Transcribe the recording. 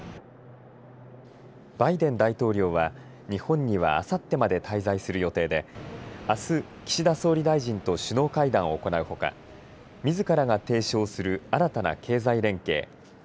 バイデン大統領は日本にはあさってまで滞在する予定であす、岸田総理大臣と首脳会談を行うほかみずからが提唱する新たな経済連携